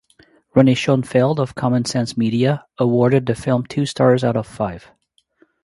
Renee Schonfeld of Common Sense Media awarded the film two stars out of five.